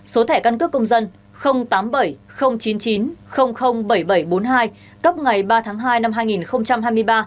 số thẻ căn cước công dân tám mươi bảy chín mươi chín bảy nghìn bảy trăm bốn mươi hai cấp ngày ba tháng hai năm hai nghìn hai mươi ba